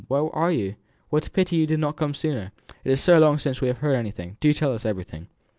Where are you? What a pity you did not come sooner! It is so long since we have heard anything; do tell us everything!